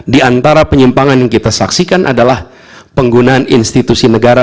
di antara penyimpangan yang kita saksikan adalah penggunaan institusi negara